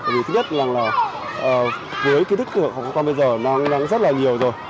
vì thứ nhất là với cái thức tượng của con bây giờ nó đang rất là nhiều rồi